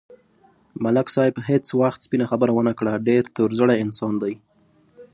ملک صاحب هېڅ وخت سپینه خبره و نه کړه، ډېر تور زړی انسان دی.